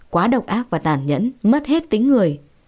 quá độc ác và tàn nhẫn mất hết tính người